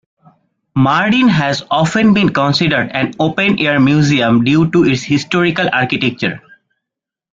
Mardin has often been considered an open-air museum due to its historical architecture.